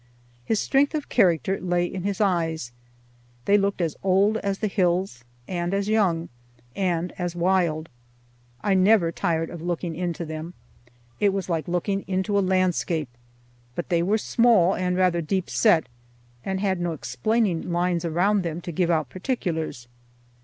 His strength of character lay in his eyes. They looked as old as the hills, and as young, and as wild. I never tired of looking into them: it was like looking into a landscape; but they were small and rather deep set, and had no explaining lines around them to give out particulars.